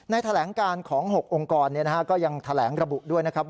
แถลงการของ๖องค์กรก็ยังแถลงระบุด้วยนะครับ